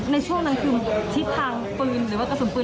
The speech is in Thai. ในช่วงนั้นคือทิศทางปืนหรือว่ากระสุนปืน